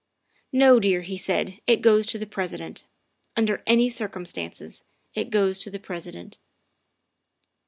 " No, dear," he said, " it goes to the President. Under any circumstances, it goes to the President."